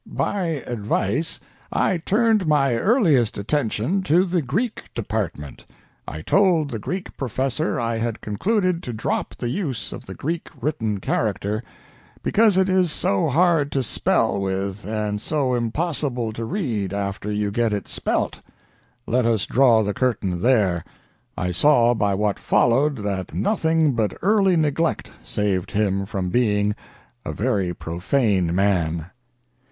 By advice, I turned my earliest attention to the Greek department. I told the Greek Professor I had concluded to drop the use of the Greek written character, because it is so hard to spell with and so impossible to read after you get it spelt. Let us draw the curtain there. I saw by what followed that nothing but early neglect saved him from being a very profane man.